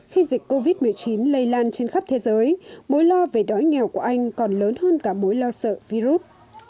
khi dịch covid một mươi chín lây lan trên khắp thế giới mối lo về đói nghèo của anh còn lớn hơn cả mối lo sợ virus